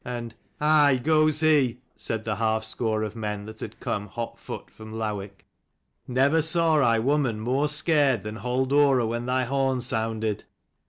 And "Aye, goes he," said the half score of men that had come hot foot from Lowick. " Never saw I woman more scared than Halldora when thy horn sounded."